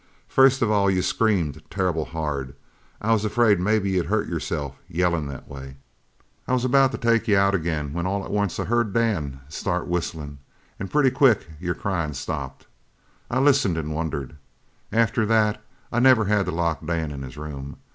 First of all you screamed terrible hard. I was afraid maybe you'd hurt yourself yellin' that way. I was about to take you out again when all at once I heard Dan start whistlin' and pretty quick your cryin' stopped. I listened an' wondered. After that I never had to lock Dan in his room.